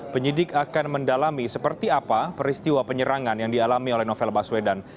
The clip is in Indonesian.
penyidik akan mendalami seperti apa peristiwa penyerangan yang dialami oleh novel baswedan